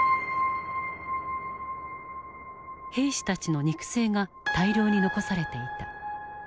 兵士たちの肉声が大量に残されていた。